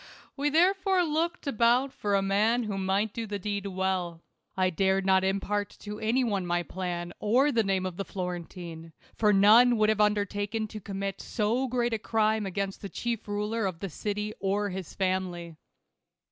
We therefore looked about for a man who might do the deed well. 1 dared not impart to any one my plan, or the name of the Florentine ; for none would have undertaken to commit so great a crime against the chief ruler of the city or his family.